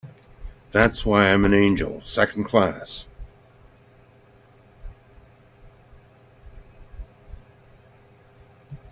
That's why I'm an angel Second Class.